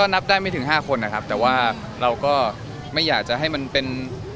นับได้ไม่ถึง๕คนนะครับแต่ว่าเราก็ไม่อยากจะให้มันเป็น